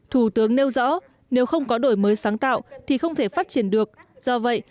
thủ tướng nêu rõ nếu không có đổi mới sáng tạo thì không thể phát triển được do vậy